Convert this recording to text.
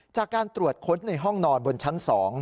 จากการตรวจค้นในห้องนอนบนชั้น๒